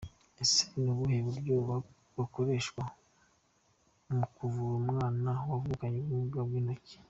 Ese ni ubuhe buryo bukoreshwa mu kuvura umwana wavukanye ubumuga bw’inkonjo?.